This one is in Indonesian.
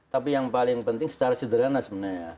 tapi yang paling penting secara sederhana sebenarnya